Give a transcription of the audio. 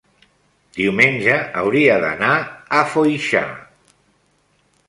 diumenge hauria d'anar a Foixà.